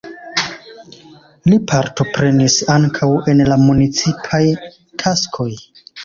Li partoprenis ankaŭ en la municipaj taskoj.